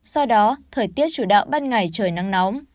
do đó thời tiết chủ đạo ban ngày trời nắng nóng